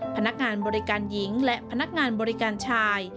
พนักงานบริการหญิงและพนักงานบริการชาย